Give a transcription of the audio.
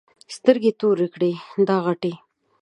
سترګې تورې کړه دا غټې.